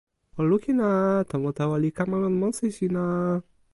o lukin a! tomo tawa li kama lon monsi sina!